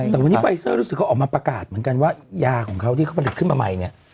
แต่วันนี้ไฟเซอร์รู้สึกเขาออกมาประกาศเหมือนกันว่ายาของเขาที่เขาผลิตขึ้นมาใหม่เนี่ย